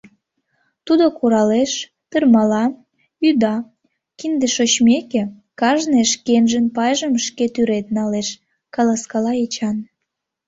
Тудо куралеш, тырмала, ӱда, кинде шочмеке, кажне шкенжын пайжым шке тӱред налеш, — каласкала Эчан.